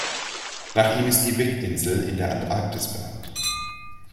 Nach ihm ist die Wyck-Insel in der Antarktis benannt.